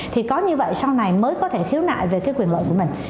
thì có như vậy sau này mới có thể khiếu nại về cái quyền lợi của mình